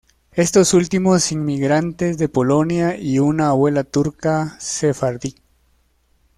Estos últimos inmigrantes de Polonia y una abuela turca sefardí.